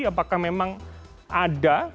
apakah memang ada